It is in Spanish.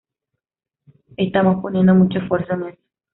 Estamos poniendo mucho esfuerzo en eso".